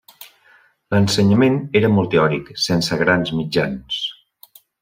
L'ensenyament era molt teòric, sense grans mitjans.